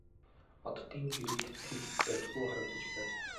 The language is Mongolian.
Оддын гэрэлд тэр дажгүй харагдаж байв.